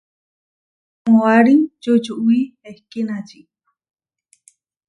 Moʼarí čučuwí ehkínači.